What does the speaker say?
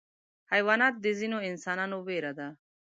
حیوانات د ځینو انسانانو ویره ده.